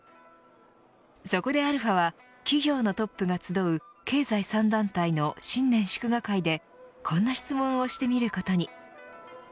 そこでαは企業のトップが集う経済３団体の新年祝賀会でこんな質問をしてみることに。